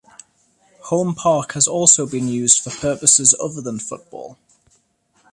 Home Park has also been used for purposes other than football.